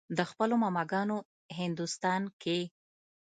د خپلو ماما ګانو هندوستان کښې